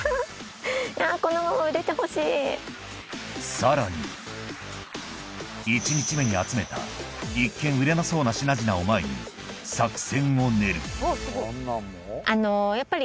さらに１日目に集めた一見売れなそうな品々を前に作戦を練るあのやっぱり。